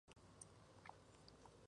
Fue Ayudante de Campo del Rey.